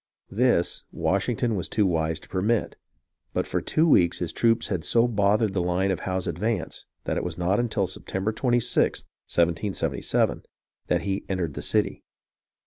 This Washington was too wise to permit, but for two weeks his troops so bothered the line of Howe's advance, that it was not until September 26th, 1777, that he entered the city.